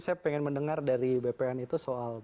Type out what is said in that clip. saya pengen mendengar dari bpn itu soal